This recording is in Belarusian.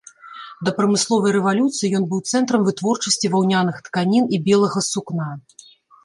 Да прамысловай рэвалюцыі ён быў цэнтрам вытворчасці ваўняных тканін і белага сукна.